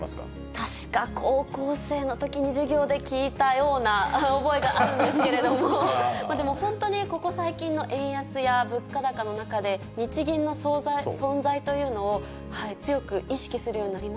確か高校生のときに授業で聞いたような覚えがあるんですけれども、でも本当にここ最近の円安や物価高の中で、日銀の存在というのを強く意識するようになりま